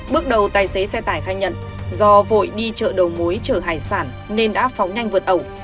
bước đầu tài xế xe tải khai nhận do vội đi chợ đầu mối chở hải sản nên đã phóng nhanh vượt ẩu